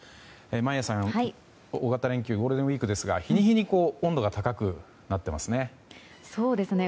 眞家さん、大型連休ゴールデンウィークですが日に日に温度が高くなっていますね。